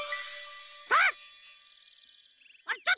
あっ！